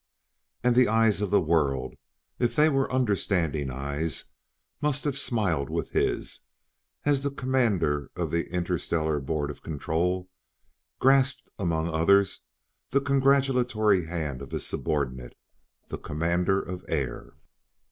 And the eyes of the world, if they were understanding eyes, must have smiled with his, as the Commander of the Interstellar Board of Control grasped, among others, the congratulatory hand of his subordinate, the Commander of Air.